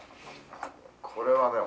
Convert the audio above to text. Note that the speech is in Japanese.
これはね